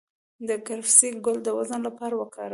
د کرفس ګل د وزن لپاره وکاروئ